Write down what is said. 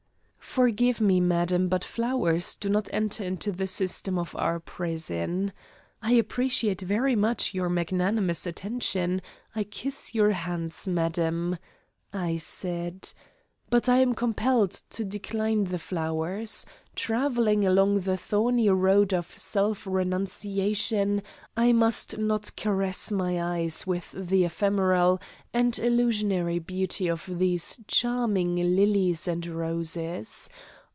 "Forgive me, madam, but flowers do not enter into the system of our prison. I appreciate very much your magnanimous attention I kiss your hands, madam " I said, "but I am compelled to decline the flowers. Travelling along the thorny road to self renunciation, I must not caress my eyes with the ephemeral and illusionary beauty of these charming lilies and roses.